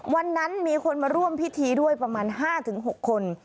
วันนั้นมีคนมาร่วมพิธีด้วยประมาณ๕๖คน